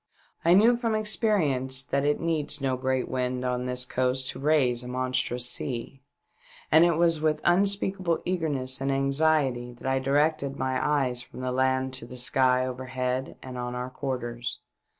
I knew from ex perience that it needs no great wind on this coast to raise a monstrous sea, and it was with unspeakable eagerness and anxiety that I directed my eyes from the land to the sky overhead and on our quarters.